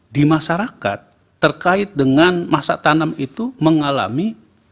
di masyarakat terkait dengan masa tanam itu mengalami